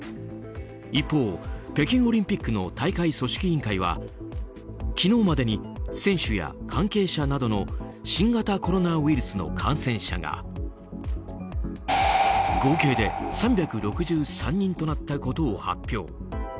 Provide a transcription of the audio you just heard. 一方、北京オリンピックの大会組織委員会は昨日までに選手や関係者などの新型コロナウイルスの感染者が合計で３６３人となったことを発表。